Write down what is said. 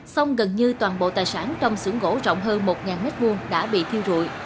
xong gần như toàn bộ tài sản trong sưởng gỗ rộng hơn một m hai đã bị thiêu rụi